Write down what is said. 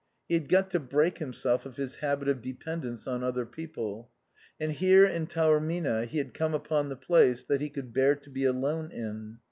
He had got to break himself of his habit of dependence on other people. And here in Taormina he had come upon the place that he could bear to be alone in.